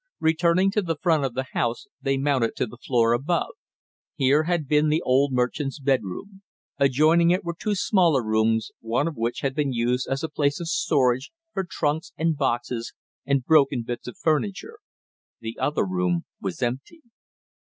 Returning to the front of the house, they mounted to the floor above. Here had been the old merchant's bedroom; adjoining it were two smaller rooms, one of which had been used as a place of storage for trunks and boxes and broken bits of furniture; the other room was empty.